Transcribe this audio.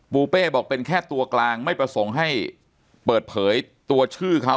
ปูเป้บอกเป็นแค่ตัวกลางไม่ประสงค์ให้เปิดเผยตัวชื่อเขา